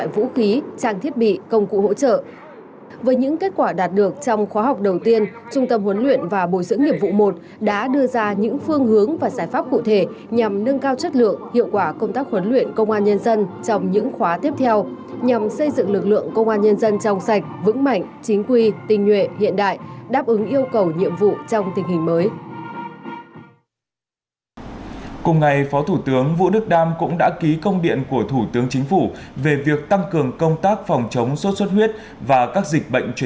với những kết quả đạt được trong khóa học đầu tiên trung tâm huấn luyện và bồi dưỡng nghiệp vụ một đã đưa ra những phương hướng và giải pháp cụ thể